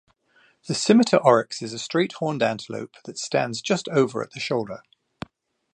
The scimitar oryx is a straight-horned antelope that stands just over at the shoulder.